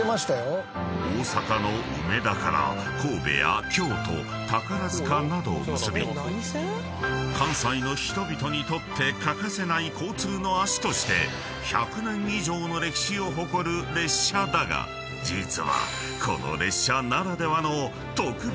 ［大阪の梅田から神戸や京都宝塚などを結び関西の人々にとって欠かせない交通の足として１００年以上の歴史を誇る列車だが実は］